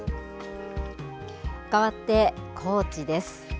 かわって高知です。